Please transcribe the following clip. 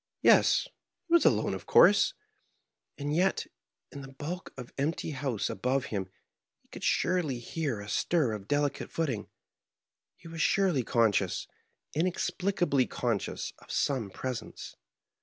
Yes, he was alone, of course ; and yet, in the bulk of empty house above him, he could surely hear a stir of delicate footing — ^he was surely conscious, inex plicably conscious, of some presence.